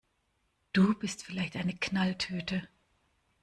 Du bist vielleicht eine Knalltüte!